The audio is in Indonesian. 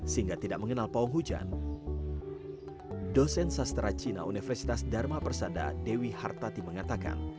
sehingga tidak mengenal pawang hujan dosen sastra cina universitas dharma persada dewi hartati mengatakan